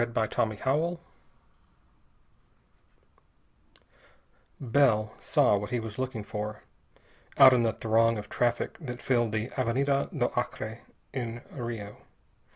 CHAPTER III Bell saw what he was looking for, out in the throng of traffic that filled the Avenida do Acre, in Rio.